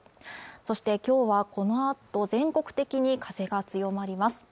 そして今日はこのあと全国的に風が強まります